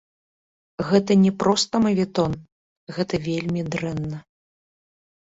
Гэта не проста маветон, гэта вельмі дрэнна.